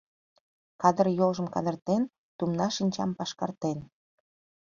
Кадыр йолжым кадыртен, тумна шинчам пашкартен